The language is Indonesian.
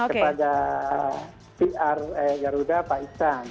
kepada pr garuda pak iksan